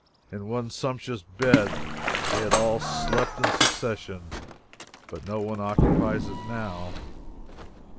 In one sumptuous bed they had all slept in succession, but no one occupies it now.